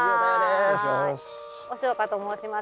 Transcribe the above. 押岡と申します